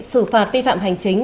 sử phạt vi phạm hành chính